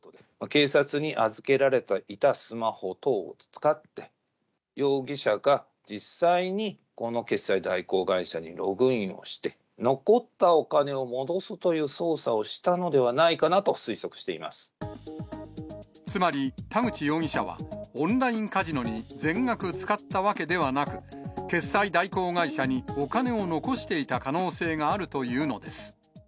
警察に預けられていたスマホ等を使って、容疑者が実際に、この決済代行会社にログインをして、残ったお金を戻すという操作をしたのではないかなと推測していまつまり、田口容疑者はオンラインカジノに全額使ったわけではなく、決済代行会社にお金を残していた可能性があるというのです。